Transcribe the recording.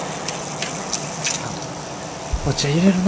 あっお茶いれるな。